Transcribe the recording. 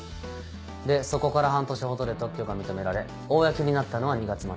でそこから半年ほどで特許が認められ公になったのは２月末。